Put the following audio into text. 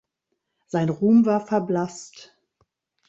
Sein Ruhm war verblasst.